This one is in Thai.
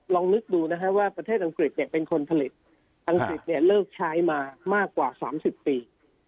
ลองนึกดูนะฮะว่าประเทศอังกฤษเป็นคนผลิตอังกฤษเนี่ยเลิกใช้มามากกว่า๓๐ปี